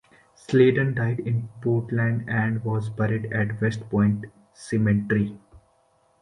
Sladen died in Portland and was buried at West Point Cemetery.